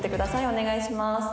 お願いします」